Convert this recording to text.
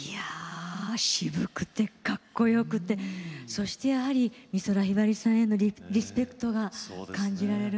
渋くて、かっこよくてそしてやはり美空ひばりさんへのリスペクトが感じられる。